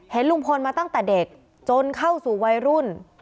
ลุงพลมาตั้งแต่เด็กจนเข้าสู่วัยรุ่น